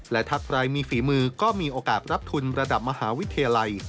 และถ้าใครมีฝีมือก็มีโอกาสรับทุนระดับมหาวิทยาลัย